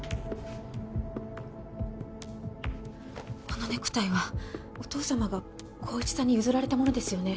このネクタイはお義父様が功一さんに譲られた物ですよね